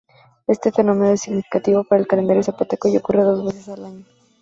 Este fenómeno era significativo para el calendario zapoteco y ocurre dos veces al año.